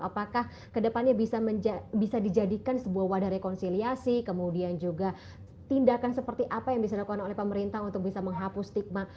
apakah kedepannya bisa dijadikan sebuah wadah rekonsiliasi kemudian juga tindakan seperti apa yang bisa dilakukan oleh pemerintah untuk bisa menghapus stigma